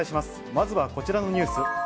まずはこちらのニュース。